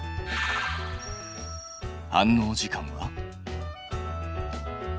反応時間は。